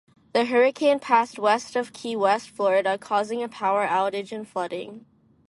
The hurricane passed west of Key West, Florida, causing a power outage and flooding.